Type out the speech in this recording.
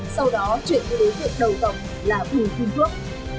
sau đó chuyển đến đối tiện đầu tổng là bình thuốc